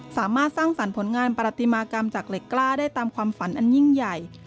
สามารถสร้างสรรค์ผลงานประติมากรรมจากเหล็กกล้าได้ตามความฝันอันยิ่งใหญ่